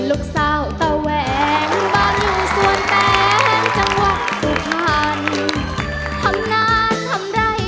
อืม